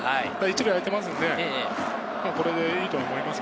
１塁があいているので、これでいいと思います。